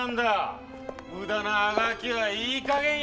無駄なあがきはいいかげんやめろ！